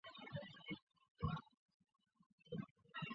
主要经营钢铁产品。